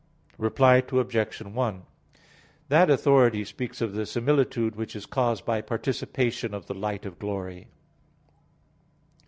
Reply Obj. 1: That authority speaks of the similitude which is caused by participation of the light of glory.